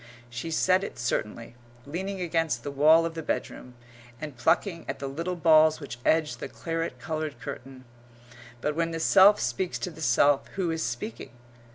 She said it certainly, leaning against the wall of the bedroom, and plucking at the little balls which edge the claret coloured curtain. But when the self speaks to the self, who is speaking?